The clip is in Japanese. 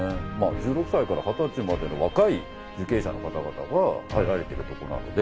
１６歳から二十歳までの若い受刑者の方々が入られているとこなので。